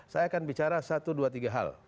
saya akan bicara satu dua tiga hal